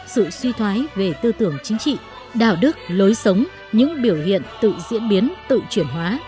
sự suy thoái về tư tưởng chính trị đạo đức lối sống những biểu hiện tự diễn biến tự chuyển hóa